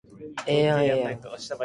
目の前にはバスロータリーが広がっている